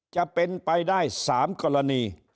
จะเป็นไปได้๓กรณี